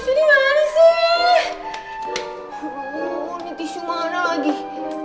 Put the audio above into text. eh mana sih